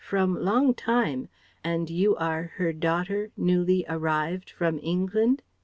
from long time, and you are her daughter newly arrived from England?